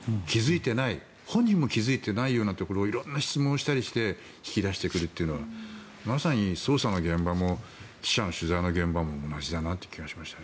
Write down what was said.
本人も気付いていないようなところを色んな質問をしたりして引き出してくるというのはまさに捜査の現場も記者の取材の現場も同じだなという気がしました。